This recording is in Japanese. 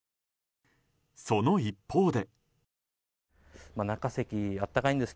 その一方で。